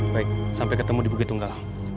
baik sampai ketemu di bukit tunggal